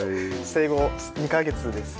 生後２カ月です。